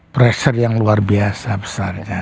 pressure yang luar biasa besarnya